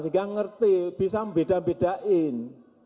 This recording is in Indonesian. sehingga ngerti bisa membeda bedain